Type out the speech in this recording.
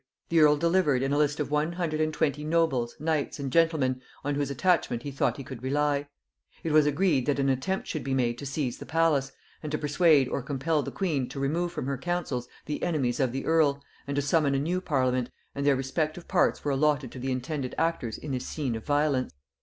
The earl delivered in a list of one hundred and twenty nobles, knights and gentlemen, on whose attachment he thought he could rely: it was agreed that an attempt should be made to seize the palace, and to persuade or compel the queen to remove from her councils the enemies of the earl, and to summon a new parliament; and their respective parts were allotted to the intended actors in this scene of violence.